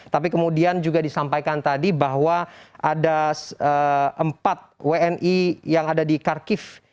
tapi kemudian juga disampaikan tadi bahwa ada empat wni yang ada di kharkiv